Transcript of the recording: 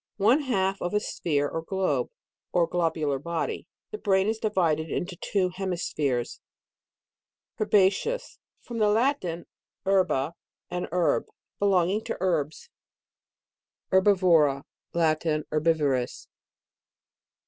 One half of a sphere or globe, or globular body ; the brain is divided into two hemispheres. HERBACEOUS. From the Latin, herba, an herb. Belonging to herbs. 13 HERBIVORA. Latin. Herbivorous.